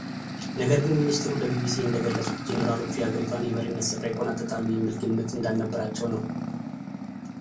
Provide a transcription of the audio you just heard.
ነገር ግን ሚኒስትሩ ለቢቢሲ እንደገለጹት ጄነራሎቹ የአገሪቷን የመሪነት ስፍራ ይቆናጠጣሉ የሚል ግምት እንዳልነበራቸው ነው።